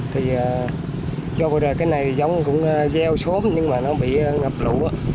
cho vừa rồi cái này giống cũng gieo xuống nhưng mà nó bị ngập lũ